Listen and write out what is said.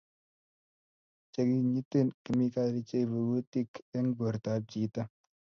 che kikinyitin kemikali cheibu kutik eng bortap chito